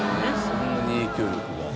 そんなに影響力が。